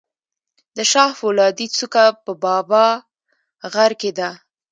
د شاه فولادي څوکه په بابا غر کې ده